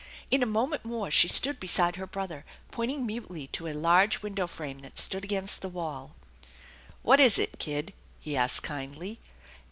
In a moment more she stood beside her brother, pointing mutely to a large window frame that stood against the wall. "What is it, kid?" he asked kindly.